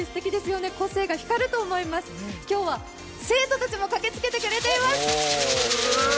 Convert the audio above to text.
今日は生徒たちも駆けつけてくれています。